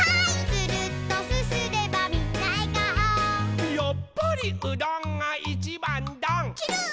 「つるっとすすればみんなえがお」「やっぱりうどんがいちばんどん」ちゅるっ。